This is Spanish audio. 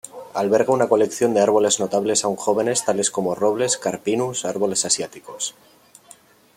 Alberga una colección de árboles notables aún jóvenes tal como robles, Carpinus, árboles asiáticos.